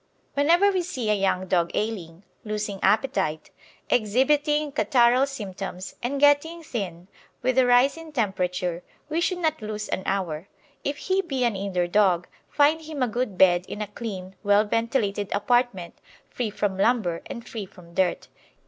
Whenever we see a young dog ailing, losing appetite, exhibiting catarrhal symptoms, and getting thin, with a rise in temperature, we should not lose an hour. If he be an indoor dog, find him a good bed in a clean, well ventilated apartment, free from lumber and free from dirt.